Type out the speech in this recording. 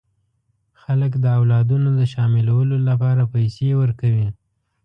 خلک د اولادونو د شاملولو لپاره پیسې ورکوي.